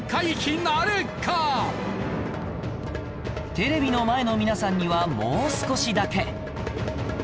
テレビの前の皆さんにはもう少しだけ